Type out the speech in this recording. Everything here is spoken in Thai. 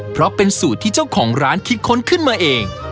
เพราะเป็นสูตรที่เจ้าของร้านคิดค้นขึ้นมาเอง